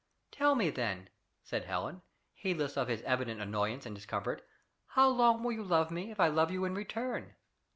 "Tell me then," said Helen, heedless of his evident annoyance and discomfort, "how long will you love me if I love you in return?"